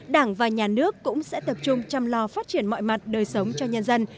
đảng và nhà nước cũng sẽ tập trung chăm lo phát triển mọi mặt đời sống cho nhân dân